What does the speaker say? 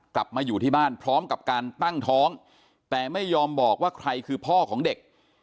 กลับมาอยู่ที่บ้านพร้อมกับการตั้งท้องแต่ไม่ยอมบอกว่าใครคือพ่อของเด็ก